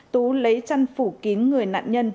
tú lấy chăn phủ kín người nạn nhân